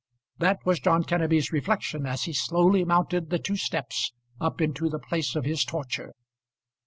That was John Kenneby's reflection as he slowly mounted the two steps up into the place of his torture.